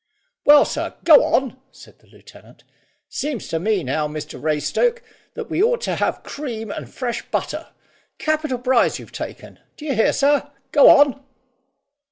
"Well, sir, go on," said the lieutenant "Seems to me, now, Mr Raystoke, that we ought to have cream and fresh butter. Capital prize you've taken. Do you hear, sir? Go on."